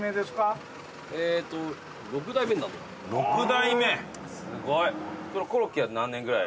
すごい。